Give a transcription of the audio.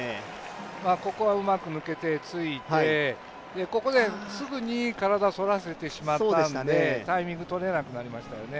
ここはうまく抜けて、ついて、ここですぐに体反らせてしまったんでタイミングとれなくなってしまいましたよね。